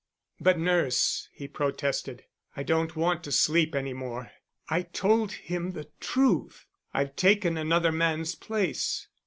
"But, nurse," he protested, "I don't want to sleep any more. I told him the truth. I've taken another man's place."